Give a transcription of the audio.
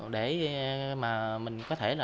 để mình có thể